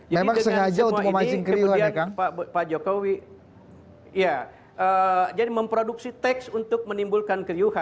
jadi dengan semua ini pak jokowi memproduksi teks untuk menimbulkan keriuhan